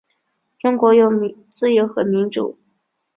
中国有自由和民主